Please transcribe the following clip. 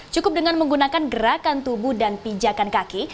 cukup dengan menggunakan gerakan tubuh dan pijakan kaki